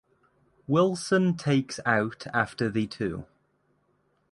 Wilson takes out after the two.